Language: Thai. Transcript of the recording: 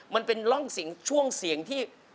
มันเป็นร่องเสียงช่วงเสียงที่